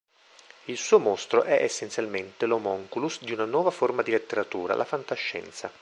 Il suo mostro è, essenzialmente, l'homunculus di una nuova forma di letteratura, la fantascienza.